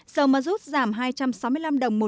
dầu mát rút giảm hai trăm sáu mươi năm đồng một lit